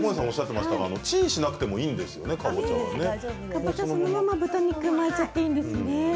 かぼちゃに、そのまま豚肉を巻いちゃっていいんですね。